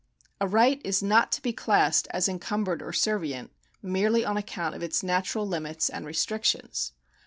A right is not to be classed as encumbered or servient, merely on account of its natural limits and restrictions.